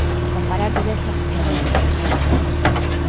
Comparar durezas é moi difícil.